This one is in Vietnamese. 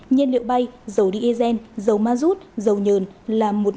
nhiên liệu bay dầu diesel dầu mazut dầu nhờn là một